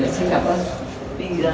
xin cảm ơn